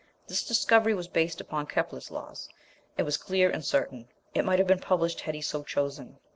This discovery was based upon Kepler's laws, and was clear and certain. It might have been published had he so chosen.